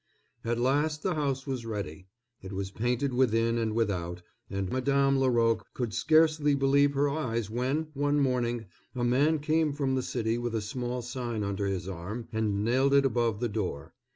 At last the house was ready; it was painted within and without, and Madame Laroque could scarcely believe her eyes when, one morning, a man came from the city with a small sign under his arm and nailed it above the door.